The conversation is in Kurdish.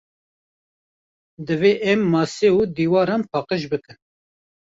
Divê em mase û dîwaran paqij bikin.